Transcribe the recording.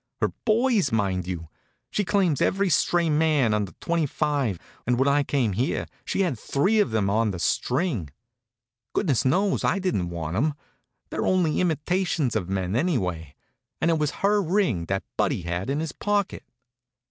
Her boys, mind you! She claims every stray man under twenty five, and when I came here she had three of them on the string. Goodness knows, I didn't want them! They're only imitation men, anyway. And it was her ring that Buddy had in his pocket."